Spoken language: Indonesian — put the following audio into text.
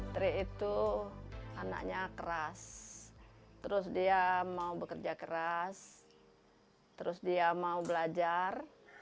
tri itu anaknya keras terus dia mau bekerja keras terus dia mau belajar